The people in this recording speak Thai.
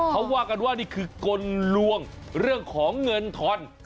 เขาว่ากันว่านี่คือกลลวงเรื่องของเงินทอน